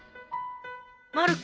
まる子